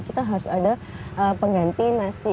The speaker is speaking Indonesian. kita harus ada pengganti nasi